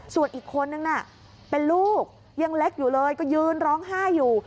ส่วนอีกคนนึงน่ะเป็นลูกยังเล็กอยู่เลยก็ยืนร้องไห้อยู่